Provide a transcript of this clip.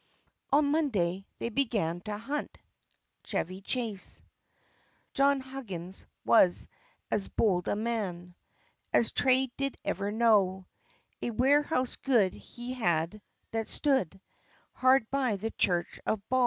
"On Monday they began to hunt." Chevy Chase. John Huggins was as bold a man As trade did ever know, A warehouse good he had, that stood Hard by the church of Bow.